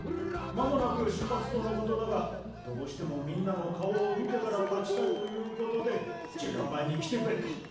間もなく出発とのことだがどうしてもみんなの顔を見てからたちたいということで授業前に来てくれた。